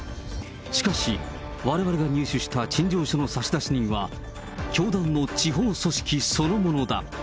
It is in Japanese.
しかし、われわれが入手した陳情書の差出人は、教団の地方組織そのものだ。